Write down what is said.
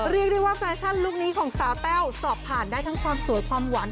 เรียกได้ว่าแฟชั่นลูกนี้ของสาวแต้วสอบผ่านได้ทั้งความสวยความหวาน